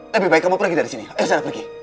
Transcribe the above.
lebih baik kamu pergi dari sini ayo sarah pergi